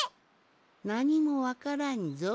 なにもわからんぞい。